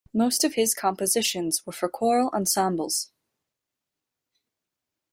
Most of his compositions were for choral ensembles.